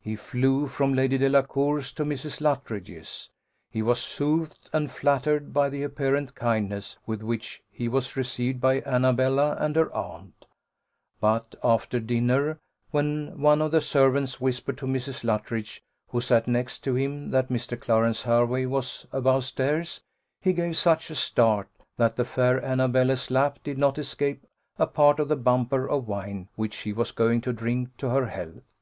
He flew from Lady Delacour's to Mrs. Luttridge's he was soothed and flattered by the apparent kindness with which he was received by Annabella and her aunt; but after dinner, when one of the servants whispered to Mrs. Luttridge, who sat next to him, that Mr. Clarence Hervey was above stairs, he gave such a start, that the fair Annabella's lap did not escape a part of the bumper of wine which he was going to drink to her health.